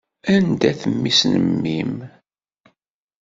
Anda-t mmi-s n mmi-m?